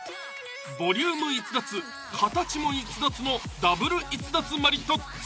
ボリューム逸脱形も逸脱のダブル逸脱マリトッツォ！